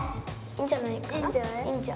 いいんじゃない？